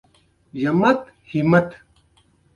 د وچې میوې بازار په اختر کې ښه وي